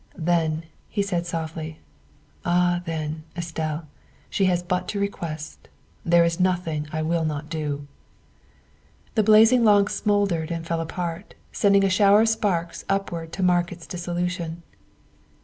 " Then," he said softly, " ah, then, Estelle, she has but to request. There is nothing I will not do. '' The blazing log smouldered and fell apart, sending a shower of sparks upward to mark its dissolution.